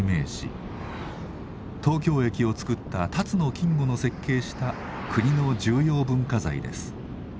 東京駅をつくった辰野金吾の設計した国の重要文化財です。